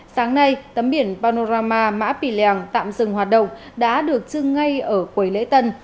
sáng nay tấm biển panorama mã pì lèng tạm dừng hoạt động đã được trưng ngay ở quầy lễ tân